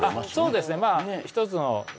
そうですね